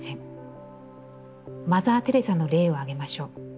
マザー・テレサの例をあげましょう。